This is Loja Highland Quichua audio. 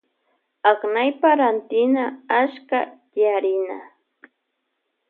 Aknaypa rantina achka tiyarina.